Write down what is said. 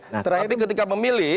nah terakhir ketika memilih